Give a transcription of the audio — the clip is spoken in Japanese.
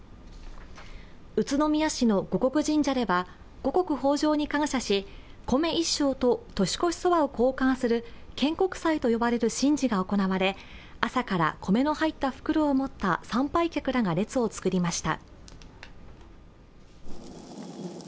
宇都宮市の護国神社では、五穀豊穣に感謝し、米１升と年越しそばを交換する、献穀祭と呼ばれる神事が行われ、朝から米の入った袋を持った参拝客らが列を作りました。